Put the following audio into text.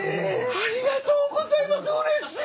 ありがとうございますうれしい！